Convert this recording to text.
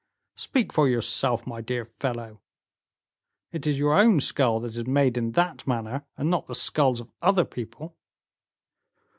"Speak for yourself, my dear fellow, it is your own skull that is made in that manner, and not the skulls of other people."